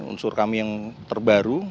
unsur kami yang terbaru